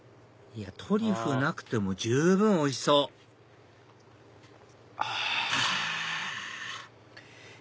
いやトリュフなくても十分おいしそうあ！